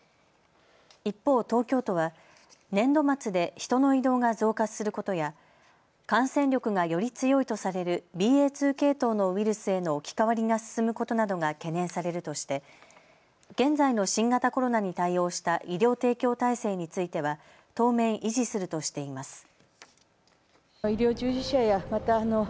一方、東京都は年度末で人の移動が増加することや感染力がより強いとされるＢＡ．２系統のウイルスへの置き換わりが進むことなどが懸念されるとして現在の新型コロナに対応した医療提供体制については当面、維持するとしています。